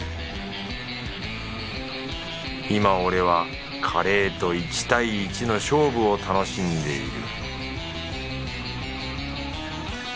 今俺はカレーと１対１の勝負を楽しんでいる